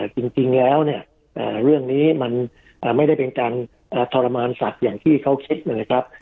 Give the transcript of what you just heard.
จริงแล้วเนี่ยเรื่องนี้มันไม่ได้เป็นการทรมานสัตว์อย่างที่เขาคิดนะครับ